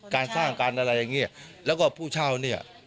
การสร้างการอะไรอย่างเงี้ยแล้วก็ผู้เช่าเนี่ย